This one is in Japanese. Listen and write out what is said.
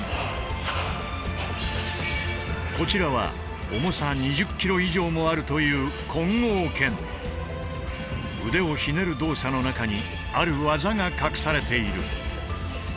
こちらは重さ２０キロ以上もあるという腕をひねる動作の中にある技が隠されている。